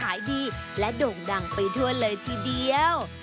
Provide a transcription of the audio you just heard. ทำให้ค้ายดิบขายดีและโด่งดังไปทั่วเลยทีเดียว